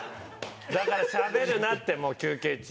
だからしゃべるなってもう休憩中。